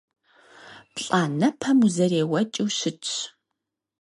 Плӏанэпэм узэреуэкӏыу щытщ.